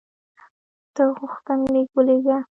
ته غوښتنلیک ولېږه.